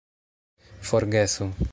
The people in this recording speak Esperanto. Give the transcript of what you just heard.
forgesu